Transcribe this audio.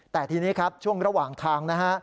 แต่ทีนี้ครับช่วงระหว่างทางนะฮะ